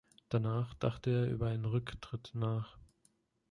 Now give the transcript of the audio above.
Danach dachte er über einen Rücktritt nach.